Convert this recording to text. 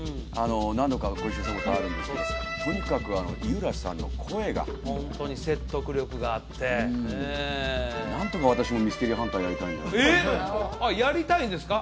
何度かご一緒したことあるんですけどとにかく井浦さんの声がホントに説得力があって何とか私もミステリーハンターやりたいんだけどやりたいんですか？